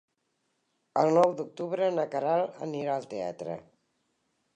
El nou d'octubre na Queralt anirà al teatre.